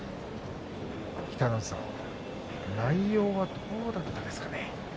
北の富士さん、内容はどうだったですかね。